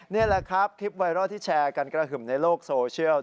นี่แหละครับคลิปไวรัลที่แชร์กันกระหึ่มในโลกโซเชียล